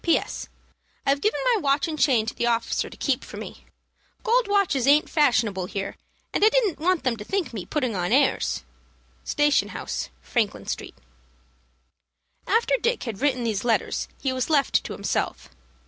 "P.S. I've given my watch and chain to the officer to keep for me. Gold watches aint fashionable here, and I didn't want them to think me putting on airs. "Station House, Franklin Street." After Dick had written these letters he was left to himself.